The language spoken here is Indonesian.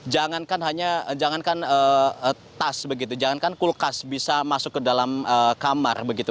jangan kan hanya jangan kan tas begitu jangan kan kulkas bisa masuk ke dalam kamar begitu